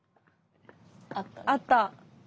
あった。